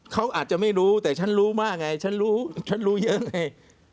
เขาอาจจะไม่รู้แต่ฉันรู้มากไงฉันรู้ฉันรู้เยอะไง